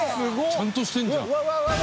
ちゃんとしてるじゃん。